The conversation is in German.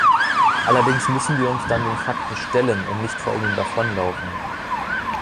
Allerdings müssen wir uns dann den Fakten stellen und nicht vor ihnen davonlaufen.